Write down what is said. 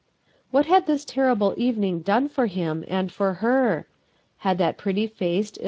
What had this terrible evening done for him and for her? Had that pretty faced, in!